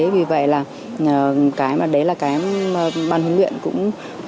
vì vậy là cái mà đấy là cái ban huấn luyện cũng